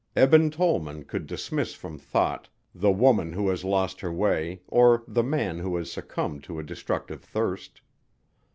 Eben Tollman could dismiss from thought the woman who has lost her way or the man who has succumbed to a destructive thirst.